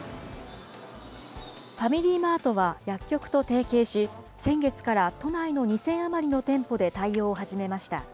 ファミリーマートは薬局と提携し、先月から都内の２０００余りの店舗で対応を始めました。